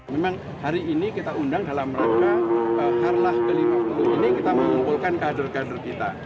memang hari ini kita undang dalam rangka harlah ke lima puluh ini kita mengumpulkan kader kader kita